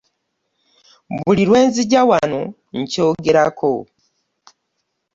Buli lwe nzija wano nkyogerako.